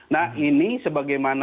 nah ini sebagaimana